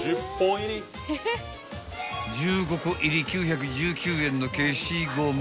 ［１５個入り９１９円の消しゴム］